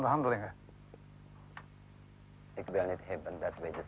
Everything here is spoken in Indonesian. saya tidak ingin kita membuatkan mereka berpengaruh